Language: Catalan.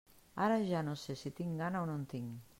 Ara ja no sé si tinc gana o no en tinc.